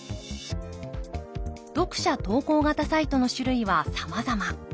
読者投稿型サイトの種類はさまざま。